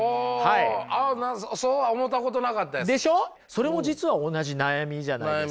それも実は同じ悩みじゃないですか。